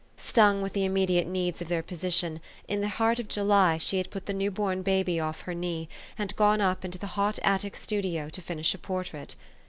Stung with the immediate needs of their position, in the heart of July she had put the new born baby off her knee, and gone up into the hot attic studio to finish a portrait.